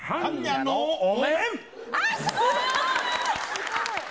すごい！